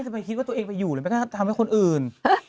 โอ้ยไม่คิดว่าตัวเองไปอยู่เลยทำให้คนอื่น